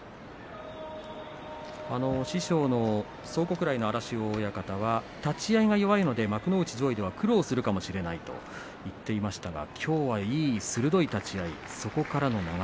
師匠の荒汐親方立ち合いが弱いので幕内では苦労するかもしれないと言っていましたがきょうは鋭い立ち合いでした。